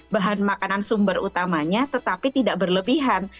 bahan makanan sumber utamanya tetapi tidak berlebihan